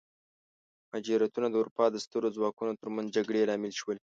مهاجرتونه د اروپا د سترو ځواکونو ترمنځ جګړې لامل شول.